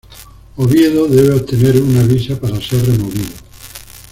Oviedo debe obtener una visa para ser removido.